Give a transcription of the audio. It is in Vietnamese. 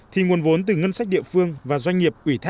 thì nguồn vốn từ ngân sách địa phương và doanh nghiệp